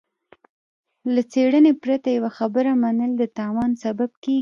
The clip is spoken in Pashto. له څېړنې پرته يوه خبره منل د تاوان سبب کېږي.